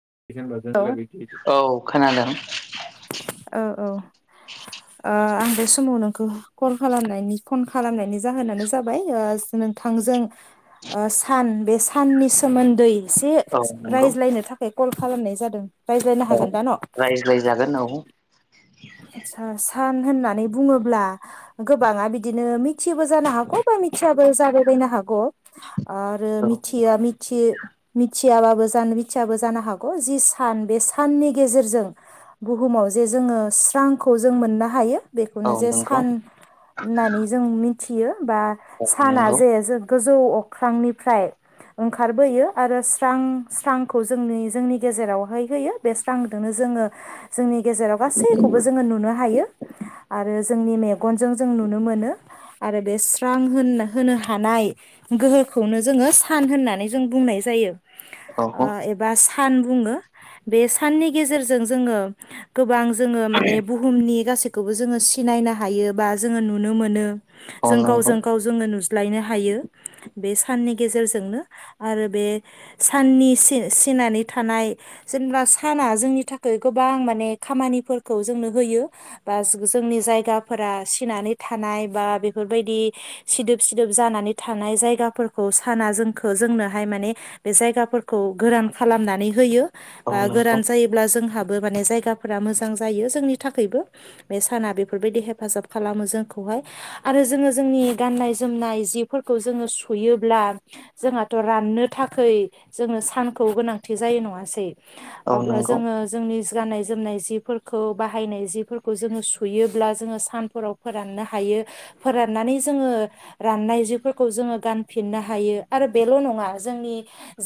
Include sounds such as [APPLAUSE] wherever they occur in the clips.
[UNINTELLIGIBLE] औ औ खोनादों औ औ। ओ आं बे समाव नोंखौ कल खालामनायनि फन खालामनायनि जाहोनानो जाबाय नोंथांजों सान बे साननि सोमोन्दै एसे औ नंगौ रायज्लायनो था कल खालामनाय जादों। औ रायज्लायजागोन औ। आतसा सान होननानै बुङोब्ला गोबाङा बिदिनो मिथियोबो जानो हागौ बा मिथियाबो जाबायबायनो हागौ। आरो औ मिथिया नंगौ मिथियै मिथियाबाबो जानो मिथियाबो जानो हागौ जि सान बे साननि गेजेरजों बुहुमाव जे जोङो। स्रांखौ जों मोननो हायो। औ बेखौनो जे नंगौ सान होननानै जों मि थियो बा औ साना नंगौ जे जौ अख्रांनिफ्राय ओंखारबोयो आरो स्रां स्रांखौ जोंनि जोंनि गेजेरावहाय होयो बे स्रांजोंनो जोङो जोंनि गेजेराव गासै नुनो हायो आरो जोंनि मे गनजों जों नुनो मोनो। आरो बे स्रां होन होनो हानाय गोहोखौनो जोङो सान होननानै जों बुंनाय जायो। औ ओ एबा सान बुङो बे साननि गेजेरजों जोङो गोबां जोङो बुहुमनि गासै खौबो जोङो सिनायनो हायो बा जोङो नुनो मोनो। औ जों नंगौ गावजों गाव जोङो नुज्लायनो हायो। बे साननि गेजेरजोंनो आरो बे साननि सि-सिनानै थानाय जेनेबा साना जोंनि थाखाय गोबां माने खामानिफोर खौ जोंनो होयो बा जोंनि जायगाफोरा सिनानै थानाय बा बेफोरबायदि सिदोब सिदोब जानानै थानाय जायगाफोरखौ साना जोंखौ जोंनोहाय माने बे जायगाफोरखौ गोरान खालामनानै होयो। औ नंगौ औ बा नंगौ गोरान जायोब्ला जोंहा बो माने जायगाफोरा मोजां मोजां जायो जोंनि थाखायबो बे साना बेफोरबायदि हेफाजाब खालामो जोंखौहाय आरो जोङो जोंनि गाननाय जोमनाय जिफोरखौ जोङो सुयोब्ला जोंहाथ' राननो थाखाय जोङो सानखौ गोनांथि जायो नङासै। औ अब्ला नंगौ जोङो जोंनि गाननाय जोमनाय जि फोरखौ बाहायनाय जिफोरखौ जोङो सुयोब्ला जोङो सानफोराव फोराननो हायो फोराननानै जोङो राननाय जिफोरखौ जोङो गानफिननो हायो आरो बेल' नङा जोंनि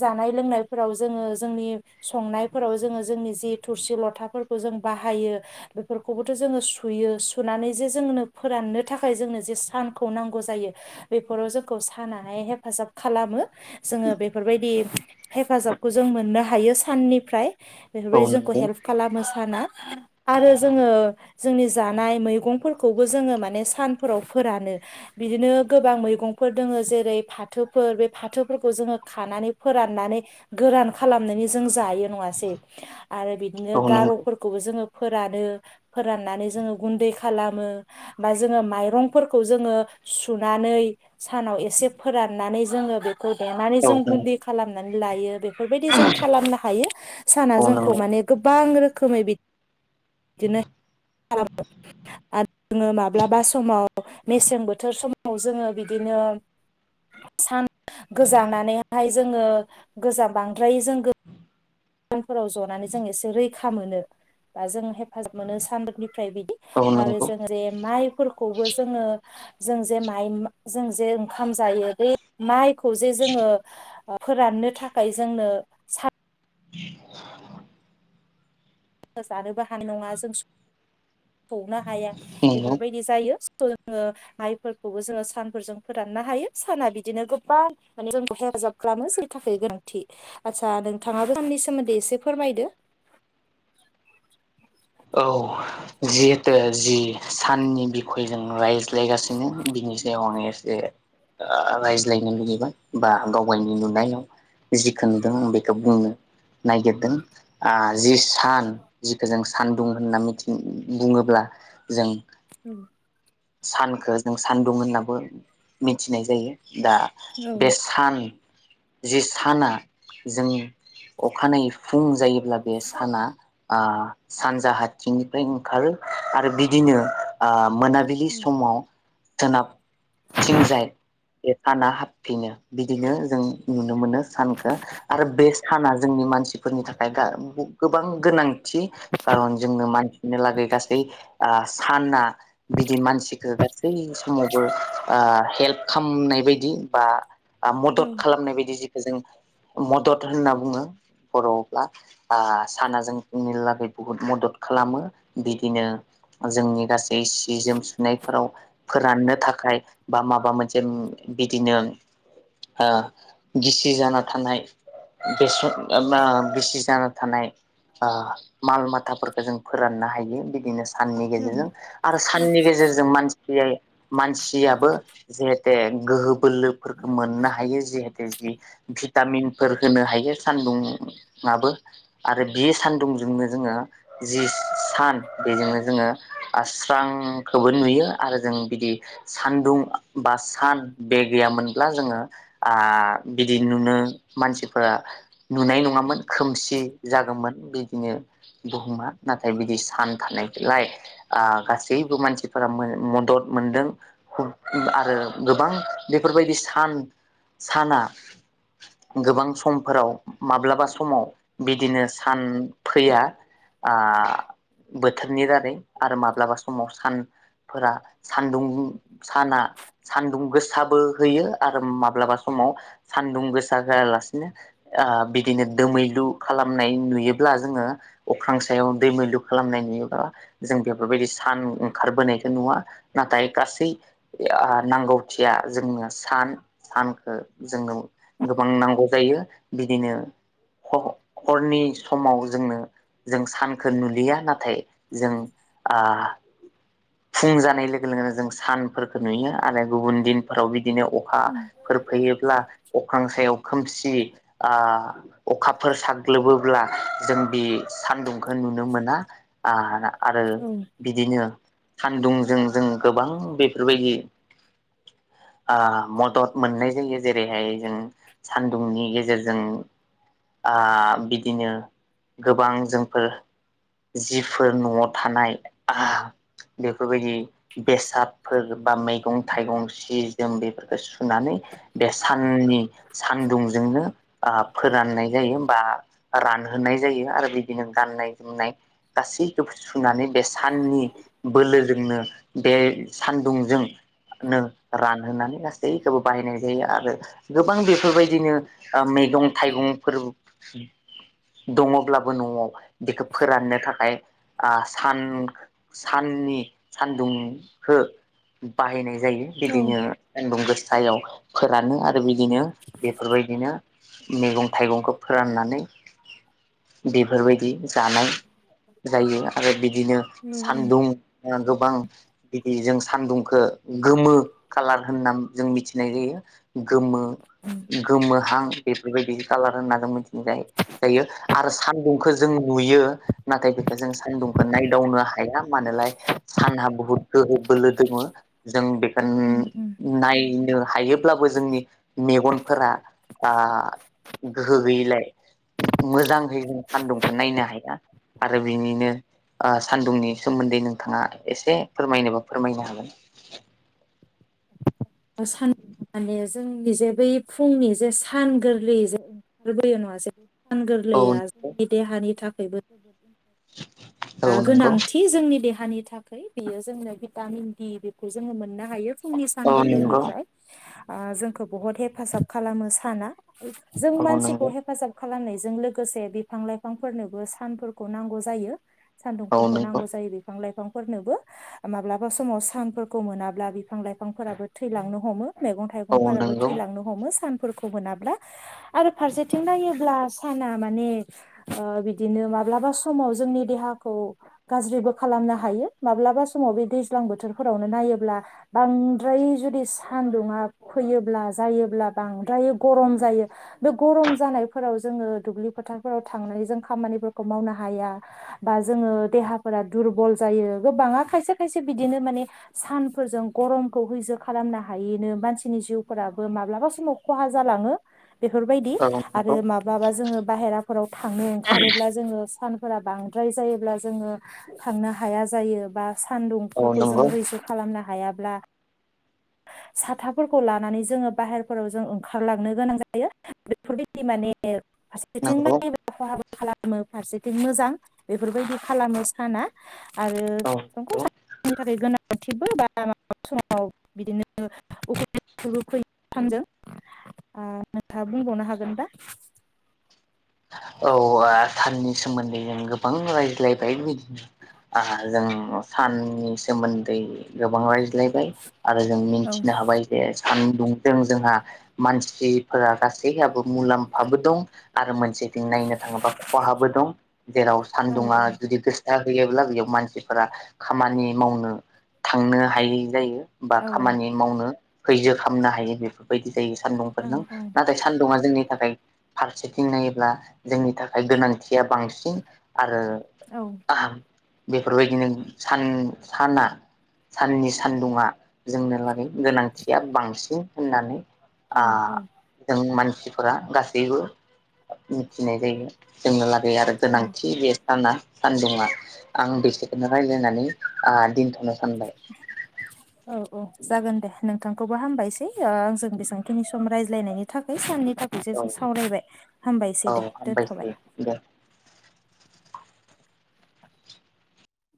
जानाय लोंनायफोराव जोङो जोंनि संनायफोराव जोङो जोंनि जि थुरसि लथाफोरखौ जों बाहायो बेफोरखौबोथ' जोङो सुयो सुनानै जे जोंनो फोराननो थाखाय जोंनो जे सानखौ नांगौ जायो बेफोराव जोंखौ सानाहाय हेफाजाब खालामो जोङो बेफोरबायदि हेफाजाबखौ जों मोननो हायो साननिफ्राय बेफोरबायदि औ जोंखौ नंगौ हेल्प खालामो साना। आरो जोङो जोंनि जानाय मैगंफोरखौबो जोङो माने सानफोराव फोरानो बिदिनो गोबां मैगंफोर दोङो जेरै फाथोफोर बे फाथोफोरखौ जोङो खानानै फोराननानै गोरान खालामनानै जों जायो नङासै। आरो बिदिनो औ नंगौ गार'फोरखौ बो जोङो फोरानो फोराननानै जोङो गुन्दै खालामो बा जोङो माइरंफोरखौ जोङो सुनानै सानाव एसे फोराननानै जोङो बेखौ देनानै औ जों गुन्दै नंगौ खालामनानै लायो बेफोरबायदि जों खालामनो हायो साना जोंखौ माने गोबां रोखोमै। बिदिनो खालामो आरो जोङो माब्लाबा समाव मेसें बोथोर समाव जोङो बिदिनो सान गोजांनानैहाय जोङो गोजां बांद्राय जों फांफोराव जनानै जों एसे रैखा मोनो बा जों हेफाजाब मोनो सान्दुंनि- फ्राय बिदि औ आरो नंगौ जों रे माइ फोरखौबो जोङो जों जे माइ जों जे ओंखाम जायो बे माइखौ जे जोङो फोराननो थाखाय जोंनो सा जानोबो हानाय नङा जों सौनो हाया नंगौ बेफोरबायदि जायो स' जोङो माइफोरखौबो जोङो सानफोरजों फोराननो हायो साना बिदिनो गोबां माने जोंखौ हेफाजाब खालामो जोंनि थाखाय गोनांथि आतसा नोंथाङाबो जोंनि सोमोन्दै एसे फोरमायदो। [INAUDIBLE] औ जिहेतु जि साननि बिखयजों रायज्लायगासिनो बिनि सायाव आङो एसे ओ रायज्लायनो लुुबैदों बा गावगायनि नुनायाव जिखो नुदों बेखो बुंनो नागिरदों आ जि सान जिखो जों दं होनना मिथि बुङोब्ला जों ओम सानखो जों सान्दुं होननाबो मिथिनाय जायो। दा बे सान जे साना जों अखानायै फुं जायो ब्ला बे साना आ सान्जा हाथिंनिफ्राय ओंखारो आरो बिदिनो आ मोनाबिलि समाव सोनाब थिंजाय बे साना हाबफिनो बिदिनो जों नुनो मोनो सानखो आरो बे साना जोंनि मानसि फोरनि थाखाय दा बु गोबां गोनांथि कारन जोंनो मानसिनोलागै गासै ओ साना बिदि मानसिखो गासै समावबो ओ हेल्प खालामनाय बायदि बा आ मदद खालामनाय बायदि जिखो जों मदद होनना बुङो बर'आवब्ला आ साना जोंनि लागै बुहुद मदद खालामो बिदिनो जोंनि गासै सि जोम सुनायफोराव फोराननो थाखाय बा माबा मोनसे बिदिनो ओ गिसि जाना थानाय बेसर ओम म गिसि जाना थानाय ओह माल माथाफोरखो जों फोराननो हायो बिदिनो साननि गेजेरजों आरो साननि गेजेरजों मानसि मानसियाबो जिहेते गोहो बोलोफोरखौ मोननो हायो जिहेते जि भिटामिनफोर होनो हायो सानदुङाबो आरो बियो सान्दुं [UNINTELLIGIBLE] जोंनो जोङो जि सान बेजोंनो जोङो स्रांखौबो नुयो आरो जों बिदि सानदुं बा सान बे गैयामोनब्ला जोङो आ बिदि नुनो मानसिफोरा नुनाय नङामोन खोमसि जागोमोन बि दिनो बुहुमा नाथाय बिदि सान थानायखलाय गासैबो मानसिफोरा मदद मोनदों खक्टि आरो गोबां बेफोरबायदि सान साना गोबां समफोराव माब्लाबा समाव बिदिनो सान फैया आह बोथोरनि दारै आरो माब्लाबा समाव सानफोरा सानदुं दुं साना सान्दुं गोसाबो होयो आरो माब्लाबा समाव सानदुं गोसा जायालासिनो ओ बिदिनो दोमैलु खालामनाय नुयो। ब्ला जोङो अख्रां सायाव दैमैलु खालामनाय नुयोबा जों बेफोरबायदि सान ओंखारबोनायखौ नुवा नाथाय गासै इआह नांगौथिया जोंनो सान सानखौ जोंनो गोबां नांगौ जायो बिदिनो ह हरनि समाव जोंनो जों सानखो नुलिया नाथाय जों आह फुं जानाय लोगो लोगोनो जों सानफोरखो नुयो आरो गुबुन दिनफोराव बि दिनो अखाफोर फैयोब्ला अख्रां सायाव खोमसि आह अखाफोर साग्लोबोब्ला जों बे सान्दुंखो नुनो मोना आह आरो बिदिनो सान्दुंजों जों गोबां बेफोरबायदि आह मदद मोननाय जायो जेरैहाय जों सान्दुंनि गेजेरजों आह बिदिनो गोबां जोंफोर जिफोर न'आव थानाय आह बेफोरबायदि बेसादफोर बा मैगं थाइगं सि जोम बेफोरखौ सुनानै बे साननि सानदुंजोंनो ओ फोराननाय जायो बा रानहोनाय जायो आरो बिदिनो गाननाय जोमनाय गासैखौ सुनानै बे साननि बोलोजोंनो बे सानदुंजोंनो रानहोनानै गासैखौबो बाहायनाय जायो आरो गोबां बेफोरबायदिनो ओ मैगं थाइगंफोर दङब्लाबो न'आव बेखो फोराननो थाखाय आह सान साननि सान्दुंखो बाहायनाय, जायो बिदिनो सान्दुं गोस सायाव फोरानो आरो आरो बिदिनो बेफोरबायदिनो मैगं थाइगंखो फोराननानै बेफोरबायदि, जानाय जायो। आरो बिद दिनो सान्दुं गोबां बिदि जों सान्दुंखौ गोमो खालार होनना जों मिथिनाय जायो, गोमो गोमोहां बेफोरबायदि खालार होनना जों मिथिनाय जायो आरो सान्दुंखौ जों नुयो नाथाय बेखौ जों सान्दुंखौ नायदावनो, हाया मानोलाय सानहा बुहुद गोहो बोलो दङ जों बे [UNINTELLIGIBLE] नायनो, हायोब्लाबो जोंनि मेगनफोरा आ गोहो गैयैलाय मोजाङैनो सान्दुंखौ नायनो हाया आरो बिनिनो सानदुंनि, सोमोन्दै नोंथाङा एसे फोरमायनोबा फोरमायनो हागोन। सान माने जोंनि जे बै फुंनि जे सान गोरलै जे ओंखारबोयो नङा जे सान हागोन गोरलैया औ जोंनि देहानि थाख [UNINTELLIGIBLE] औ आ नंगौ गोनांथि जोंनि देहा, हानि थाखाय बियो जोंनो भिटामिन ड बेखौ जोङो मोन मोननो हायो फुंनि औ सान नंगौ फोरबोनि फ्राय जोंखौ बुहुद हेफाजाब खालामो साना, जों औ मानसिखौ नंगौ हेफाजाब, खालामनायजों लोगोसे बिफां लाइफांफोरनोबो सानफोरखौ नांगौ जायो। औ सान्दुंफोरखौ नंगौ नांगौ जायो बिफां लाइफां, फोरनोबो माब्लाबा समाव सानफोरखौ मोनाब्ला बिफां लाइफांफोराबो थैलांनो हमो मैगं औ थाइगंफोराबो नंगौ थैलांनो हमो सान, फोरखौ मोनाब्ला आरो फारसेथिं नायोब्ला साना माने ओ बिदिनो माबबा समाव जोंनि देहाखौ गाज्रिबो खालामनो हायो माब्लाबा समाव बे दैज्लां बोथोराव नायोब्ला बांद्राय, जुदि सानदुङा फैयोब्ला जायोब्ला बांद्रायो गरम जायो बे गरम जानायफोराव जोङो दुब्लि फोथारफोराव थांनानै जों खामानिफोरखौ मावनो हाया बा जोङो देहाफोरा दुरबल जायो गोबाङा खायसे खायसे बिदिनो माने सानफोरजों गरमखौ हैज' खालामनो हायिनो मानसिनि जिउफोराबो माब्लाबा समाव खहा जालाङो। बेफोरबायदि औ आरो नंगौ माब्लाबा जोङो बाहेराफोराव थांनो ओंखारोब्ला जोङो सान फोरा बांद्राय जायोब्ला जोङो थांनो हाया जायो बा, औ सान्दुंफोरखौ जोङो नंगौ हैज' खालामना, हायाब्ला साथाफोरखौ लानानै जोङो बाहेरफोराव जों ओंखारलांनो गोनां जायो बेफोरबायदि माने फारसेथिं नंगौ नायोब्ला खहाबो खालामो फारसेथिं मोजां बेफोरबायदि खालामो साना आरो नंगौ साना जोंनि थाखाय गोनां [INAUDIBLE] आव बिदिनोबो फै सानजों नोंथाङा बुंबावनो हागोन दा औ ओ साननि सोमोन्दै जों गोबां रायज्लायबाय बिदिनो ओ जों साननि सोमोन्दै गोबां रायज्लायबाय आरो जों औ मिन्थिनो हाबाय जे सानदुंजों जोंहा मानसिफोरा गासैहाबो मुलाम्फाबो दं आरो मोनसे थिं नायनो थाङोबा खहाबो दं जेराव औ सानदुंङा औ जुदि जाहैयोब्ला बेयाव मानसिफोरा खामानि मावनो थांनो हायै जायो। बा औ खामानि मावनो सैजो खालामनो हायि बेफोरबायदि जायो औ सान्दुंफोरजों औ नाथाय सान्दुंङा जोंनि नि थाखाय फारसेथिं नायोब्ला जोंनि थाखाय गोनांथिया बांसिन आरो औ बेफोरबायदिनो सान साना साननि सान्दुङा जोंनो लागै गोनांथिया बांसिन होननानै आ औ जों मान सिफोरा गासैबो मिथिनाय जायो जोंनो ला गैया आरो औ गोनांथि बे साना सानदुंङा आं बिसोरखौनो रायलायनानै ओ दोनथ' नो सानबाय औ औ जागोन दे नोंथांखौबो हामबायसै ओ जों बेसेबांखिनि सम रायज्लायनायनि थाखाय साननि औ [UNINTELLIGIBLE] सावरायबाय हामबायसै औ दे दोनथ'बाय। हामबायसै दे